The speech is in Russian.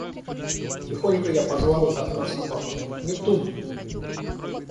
Тихонько я позвал из окна собаку: Нептун!